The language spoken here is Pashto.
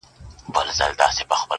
o ستا له غمه مي بدن ټوله کړېږي,